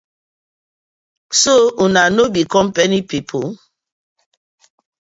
So una no be compani people?